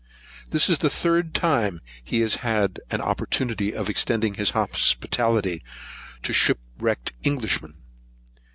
This is the third time he has had an opportunity of extending his hospitality to shipwrecked Englishmen.